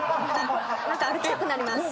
何か歩きたくなります。